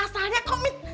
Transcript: asalnya kok mis